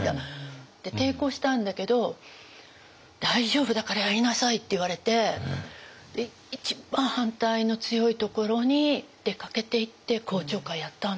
抵抗したんだけど「大丈夫だからやりなさい」って言われて一番反対の強いところに出かけていって公聴会やったんですよ。